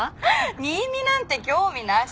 新見なんて興味なし。